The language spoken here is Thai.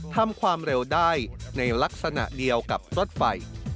ทำความเร็วได้ในลักษณะเดียวกับรถไฟ